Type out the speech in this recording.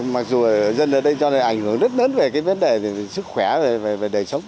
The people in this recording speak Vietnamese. mặc dù dân ở đây cho nên ảnh hưởng rất lớn về cái vấn đề sức khỏe và đời sống